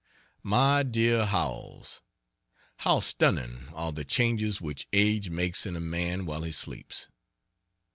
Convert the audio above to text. MY DEAR HOWELLS, How stunning are the changes which age makes in a man while he sleeps.